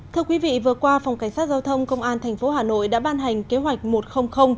thưa quý vị vừa qua phòng cảnh sát giao thông công an tp hà nội đã ban hành kế hoạch một trăm linh